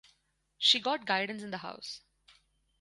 She got guidance in the house.